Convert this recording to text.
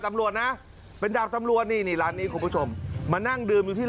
ตำรวจนะเป็นดาบตำรวจนี่นี่ร้านนี้คุณผู้ชมมานั่งดื่มอยู่ที่